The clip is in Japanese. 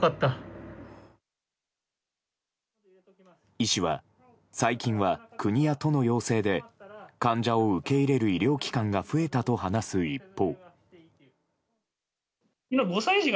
医師は、最近は国や都の要請で患者を受け入れる医療機関が増えたと話す一方。